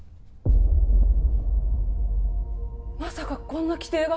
まさかこんな規定が！？